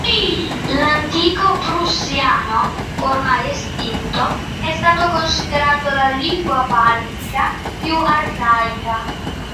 L'antico prussiano, ormai estinto, è stato considerato la lingua baltica più arcaica.